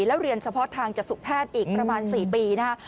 แล้วเรียนเฉพาะทางจตุแพทย์อีกประมาณ๔ปีนะฮะ